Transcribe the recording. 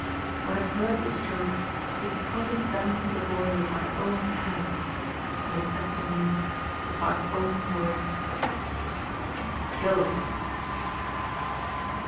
When it heard the stroke it pointed down to the boy with my own hand; and it said to me, with my own voice, 'Kill him.